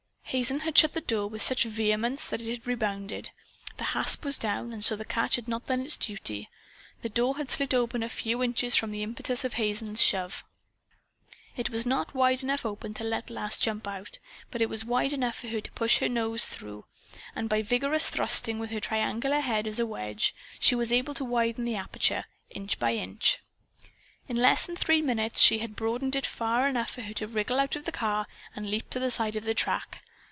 Hazen had shut the door with such vehemence that it had rebounded. The hasp was down, and so the catch had not done its duty. The door had slid open a few inches from the impetus of Hazen's shove. It was not wide enough open to let Lass jump out, but it was wide enough for her to push her nose through. And by vigorous thrusting, with her triangular head as a wedge, she was able to widen the aperture, inch by inch. In less than three minutes she had broadened it far enough for her to wriggle out of the car and leap to the side of the track.